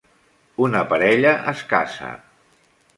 Una parella es casa.